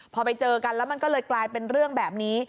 พอไปเจอกันแล้วมันก็เลยกลายเป็นเรื่องแบบนี้